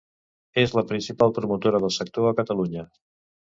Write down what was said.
És la principal promotora del sector a Catalunya.